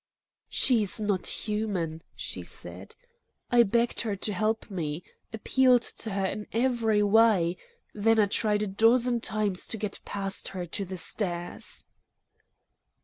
"She's not human," she said. "I begged her to help me, appealed to her in every way; then I tried a dozen times to get past her to the stairs."